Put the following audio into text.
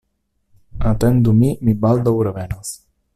Atendu min, mi baldaŭ revenos.